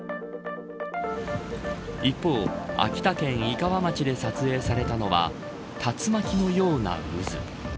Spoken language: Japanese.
一方、秋田県井川町で撮影されたのは竜巻のような渦。